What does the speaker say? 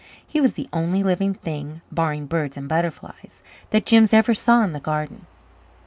He was the only living thing, barring birds and butterflies, that Jims ever saw in the garden.